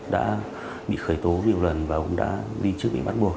đã bị khởi tố nhiều lần và cũng đã đi trước bị bắt buộc